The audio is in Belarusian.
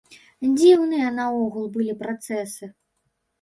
Дзіўныя наогул былі працэсы.